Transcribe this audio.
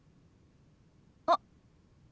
あっ。